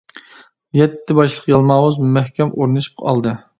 يەتتە باشلىق يالماۋۇز، مەھكەم ئورنىشىپ ئالدى.